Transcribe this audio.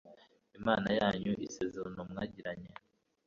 imana yanyu, isezerano mwagiranye